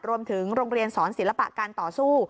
โรงเรียนสอนศิลปะการต่อสู้